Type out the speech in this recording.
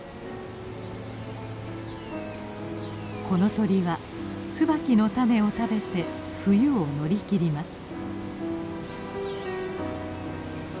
この鳥はツバキの種を食べて冬を乗り切ります。